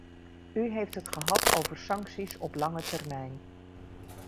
U heeft het gehad over sancties op lange termijn.